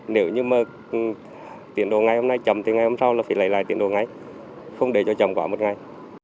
nếu như mà tiền đồ ngày hôm nay chậm thì ngày hôm sau là phải lấy lại tiền đồ ngay không để cho chậm quá một ngày